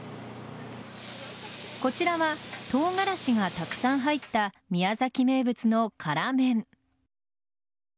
こちらはトウガラシがたくさん入った宮崎名物の辛麺。